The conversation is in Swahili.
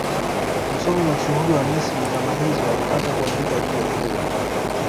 Msomi mashuhuri wa Misri zama hizo alipata kuandika juu ya hilo